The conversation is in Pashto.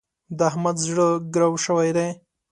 د احمد زړه ګرو شوی دی.